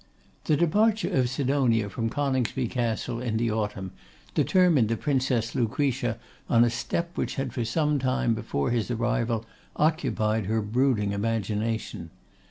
The departure of Sidonia from Coningsby Castle, in the autumn, determined the Princess Lucretia on a step which had for some time before his arrival occupied her brooding imagination.